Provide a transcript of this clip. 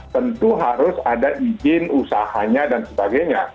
tentu harus ada izin usahanya dan sebagainya